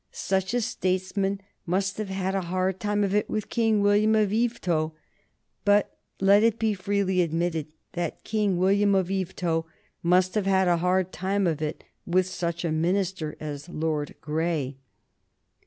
Such a statesman must have had a hard time of it with King William of Yvetot; but let it be freely admitted that King William of Yvetot must have had a hard time of it with such a minister as Lord Grey.